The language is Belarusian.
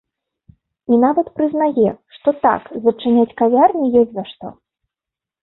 І нават прызнае, што, так, зачыняць кавярні ёсць за што.